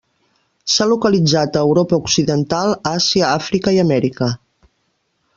S'ha localitzat a Europa occidental, Àsia, Àfrica i Amèrica.